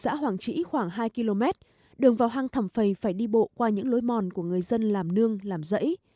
xã hoàng trĩ khoảng hai km đường vào hang thẩm phầy phải đi bộ qua những lối mòn của người dân làm nương làm rẫy